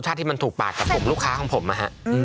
รสชาติที่มันถูกปากกับลูกค้าของผมนะครับ